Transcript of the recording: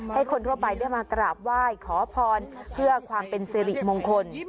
ให้คนทั่วไปได้มากราบไหว้ขอพรเพื่อความเป็นสิริมงคล